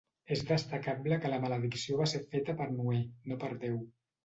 És destacable que la maledicció va ser feta per Noè, no per Déu.